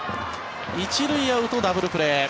１塁アウト、ダブルプレー。